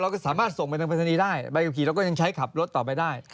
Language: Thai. สามารถส่งไปทางปริศนีย์ได้ใบขับขี่เราก็ยังใช้ขับรถต่อไปได้